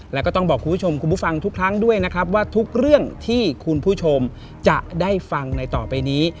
แล้วก็ต้องบอกคุณผู้ชมคุณผู้ฟังทุกครั้งด้วยนะครับว่าทุกเรื่องที่คุณผู้ชมจะได้ฟังในต่อไปนี้